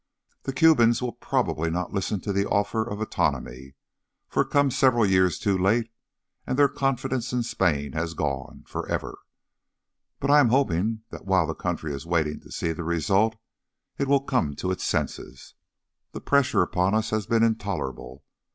The Cubans probably will not listen to the offer of autonomy, for it comes several years too late and their confidence in Spain has gone forever; but I am hoping that while this country is waiting to see the result, it will come to its senses. The pressure upon us has been intolerable.